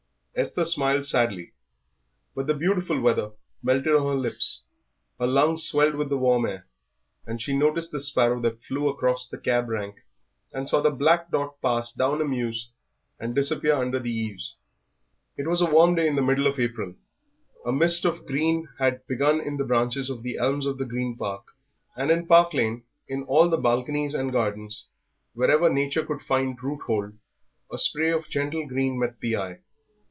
Esther smiled sadly. But the beautiful weather melted on her lips, her lungs swelled with the warm air, and she noticed the sparrow that flew across the cab rank, and saw the black dot pass down a mews and disappear under the eaves. It was a warm day in the middle of April, a mist of green had begun in the branches of the elms of the Green Park; and in Park Lane, in all the balconies and gardens, wherever nature could find roothold, a spray of gentle green met the eye.